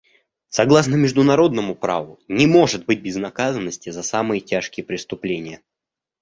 Согласно международному праву не может быть безнаказанности за самые тяжкие преступления.